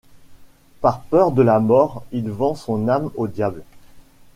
Par peur de la mort, il vend son âme au diable…